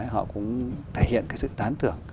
họ cũng thể hiện cái sự tán tưởng